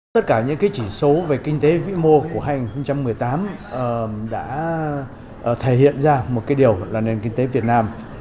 tất cả những cái chỉ số về kinh tế vĩ mô của hai nghìn một mươi tám đã thể hiện ra một cái điều là nền kinh tế việt nam